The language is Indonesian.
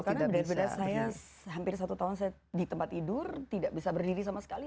karena beda beda saya hampir satu tahun saya di tempat tidur tidak bisa berdiri sama sekali